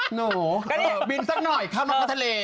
หนูบินสักหน่อยข้ามนกทะเล